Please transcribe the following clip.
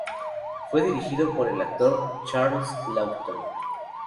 Fue dirigido por el actor Charles Laughton.